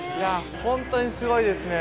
本当にすごいですね。